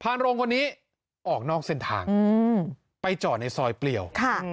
โรงคนนี้ออกนอกเส้นทางไปจอดในซอยเปลี่ยว